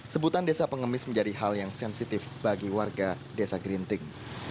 sebutan desa pengemis menjadi hal yang sensitif bagi warga desa gerinting